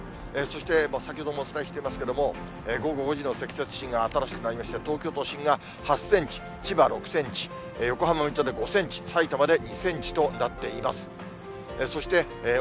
そして、先ほどもお伝えしていますけれども、午後５時の積雪が新しくなりまして、東京都心が８センチ、千葉６センチ、横浜、水戸で５センチ、さいたまで２センチとなっています。